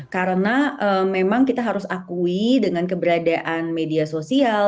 karena memang kita harus akui dengan keberadaan media sosial